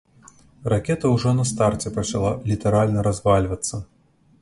Ракета ўжо на старце пачала літаральна развальвацца.